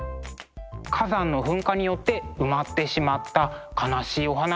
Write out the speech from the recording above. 火山の噴火によって埋まってしまった悲しいお話なんですけど。